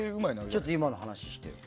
ちょっと今の話してよ。